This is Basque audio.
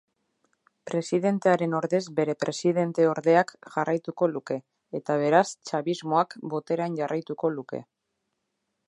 Presidentearen ordez bere presidente-ordeak jarraituko luke eta beraz chavismoak boterean jarraituko luke.